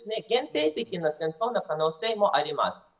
限定的な戦争の可能性もあります。